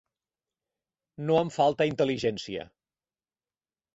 No em falta intel·ligència.